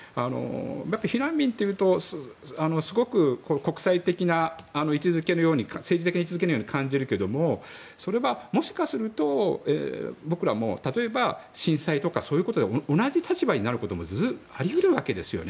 避難民というとすごく国際的な位置づけのように政治的な位置づけのように感じるけれどもそれはもしかすると僕らも例えば、震災とそういうことで同じ立場になることもあり得るわけですよね。